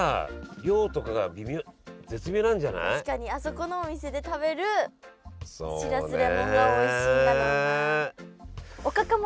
でもあの確かにあそこのお店で食べるしらすレモンがおいしいんだろうな。